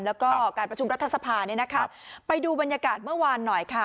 แล้วก็การประชุมรัฐสภาเนี่ยนะคะไปดูบรรยากาศเมื่อวานหน่อยค่ะ